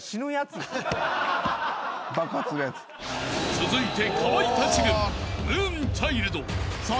［続いて］